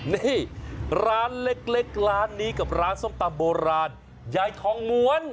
นี่ร้านเล็กร้านนี้กับร้านส้มตำโบราณยายทองม้วน